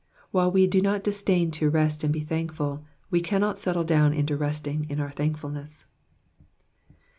'' While we do not disdain to rest and be thankful, we cannot settle down into rest^ ing in our thankfulness.